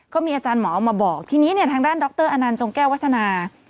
ก็มีอาจารย์หมอมาบอกทีนี้ทางด้านดรอจงแก้วัฒนา